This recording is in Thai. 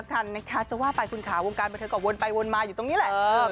ก็จะว่าไปคืนขาวงการประเทศก่อนวนไปวนมาอยู่ตรงนี้แหละ